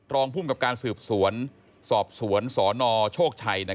รองภูมิกับการสืบสวนสอบสวนสนโชคชัย